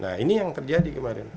nah ini yang terjadi kemarin